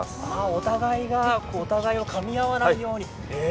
お互いがお互いをかみ合わないように。